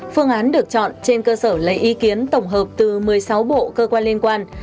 phương án được chọn trên cơ sở lấy ý kiến tổng hợp từ một mươi sáu bộ cơ quan liên quan